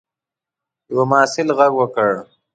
یوه محصل غږ وکړ.